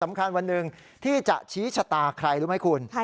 วันหนึ่งที่จะชี้ชะตาใครรู้ไหมคุณ